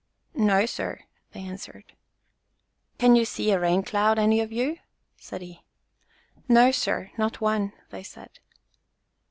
"No, sir," they answered. "Can you see a rain cloud, any of you ?" said he. "No, sir, not one," they said.